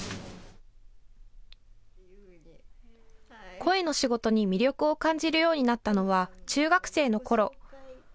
声の仕事に魅力を感じるようになったのは中学生のころ。